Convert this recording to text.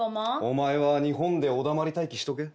お前は日本でお黙り待機しとけ。